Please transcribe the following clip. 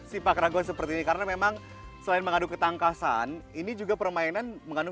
sih pak rago seperti ini karena memang selain mengadu ketangkasan ini juga permainan mengandung